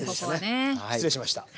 失礼しました。